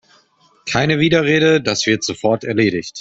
Keine Widerrede, das wird sofort erledigt!